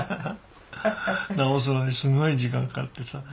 直すのにすごい時間かかってさ。